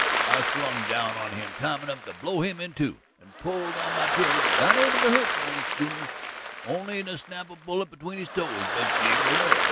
"I slung down on him time enough to blow him in two, and pulled on my trigger, not aimin' to hurt the old sooner, only to snap a bullet between his toes, but she wouldn't work.